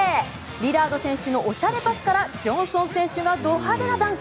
リラード選手のおしゃれパスからジョンソン選手がど派手なダンク！